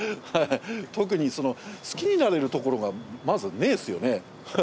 特に好きになれるところがまずねえっすよね。